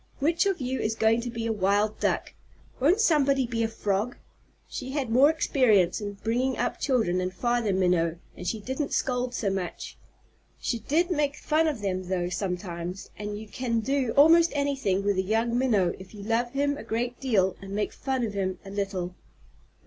"Which of you is going to be a Wild Duck? Won't somebody be a Frog?" She had had more experience in bringing up children than Father Minnow, and she didn't scold so much. She did make fun of them though, sometimes; and you can do almost anything with a young Minnow if you love him a great deal and make fun of him a little.